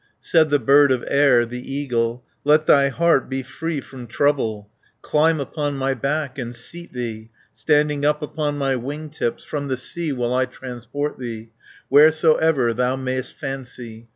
Said the bird of air, the eagle, "Let thy heart be free from trouble; 90 Climb upon my back, and seat thee, Standing up upon my wing tips, From the sea will I transport thee, Wheresoever thou may'st fancy.